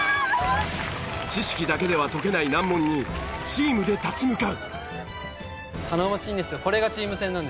知識だけでは解けない難問にチームで立ち向かう！